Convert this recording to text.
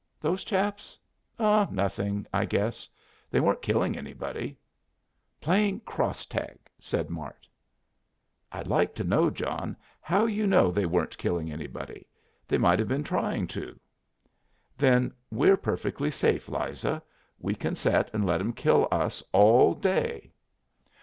"Those chaps? Oh, nothing, I guess. They weren't killing anybody." "Playing cross tag," said Mart. "I'd like to know, John, how you know they weren't killing anybody. They might have been trying to." "Then we're perfectly safe, Liza. We can set and let 'em kill us all day."